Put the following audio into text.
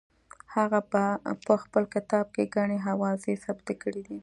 هغه په خپل کتاب کې ګڼې اوازې ثبت کړې دي.